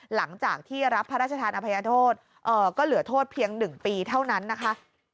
หลังจากที่รับพระราชทานอภัยโทษก็เหลือโทษเพียง๑ปีเท่านั้นนะคะ